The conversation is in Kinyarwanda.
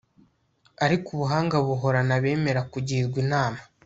ariko ubuhanga buhorana abemera kugirwa inama